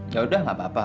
yaudah nggak apa apa